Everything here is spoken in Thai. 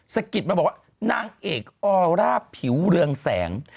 สะกิดมาบอกว่านางเอกออร่าผิวเรืองแสง